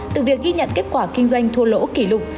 từ việc ghi nhận kết quả kinh doanh thua lỗ kỷ lục